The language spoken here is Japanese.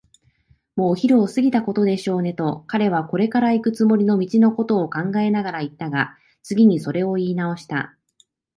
「もうお昼を過ぎたことでしょうね」と、彼はこれからいくつもりの道のことを考えながらいったが、次にそれをいいなおした。